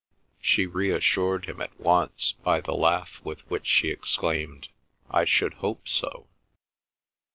She reassured him at once by the laugh with which she exclaimed, "I should hope so!"